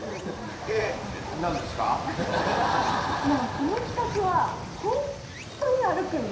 この企画は本当に歩くんですよ！